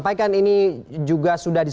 nah terima kasih banyak